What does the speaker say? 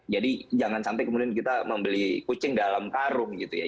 jangan sampai kemudian kita membeli kucing dalam karung gitu ya